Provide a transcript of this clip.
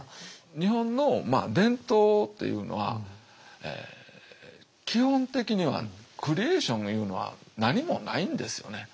日本の伝統というのは基本的にはクリエーションいうのは何もないんですよね。